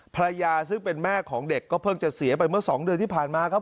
ภรรยาซึ่งเป็นแม่ของเด็กก็เพิ่งจะเสียไปเมื่อ๒เดือนที่ผ่านมาครับ